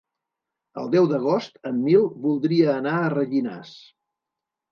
El deu d'agost en Nil voldria anar a Rellinars.